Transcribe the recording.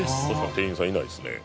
店員さんいないですね。